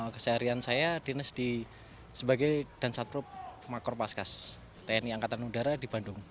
keseharian saya dinas sebagai dansatrup makropaskas tni angkatan udara di bandung